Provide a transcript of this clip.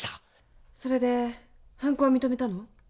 それで犯行は認めたの？